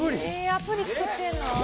アプリ作ってるの？